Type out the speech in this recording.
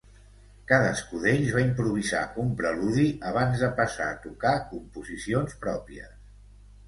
Cadascú d'ells va improvisar un preludi abans de passar a tocar composicions pròpies.